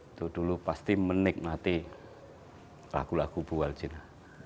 itu dulu pasti menikmati lagu lagu bu waljina